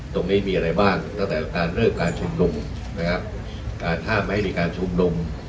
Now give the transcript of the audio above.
ตรงนี้มีอะไรบ้างตั้งแต่การเริ่มการชุมนุมนะครับการห้ามไม่ให้มีการชุมนุม